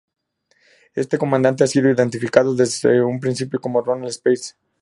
Este comandante ha sido identificado desde un principio como Ronald Speirs.